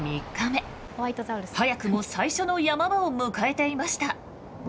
早くも最初の山場を迎えていました。